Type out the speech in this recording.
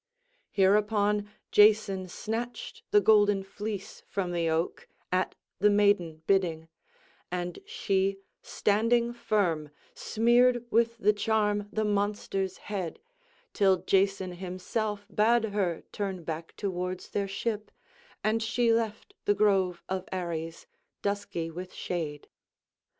Hereupon Jason snatched the golden fleece from the oak, at the maiden bidding; and she, standing firm, smeared with the charm the monster's head, till Jason himself bade her turn back towards their ship, and she left the grove of Ares, dusky with shade.